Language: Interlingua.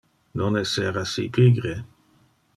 Non esser assi pigre.